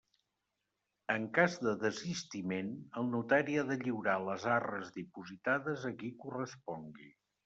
En cas de desistiment, el notari ha de lliurar les arres dipositades a qui correspongui.